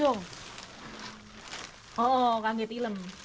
oh sebenarnya gede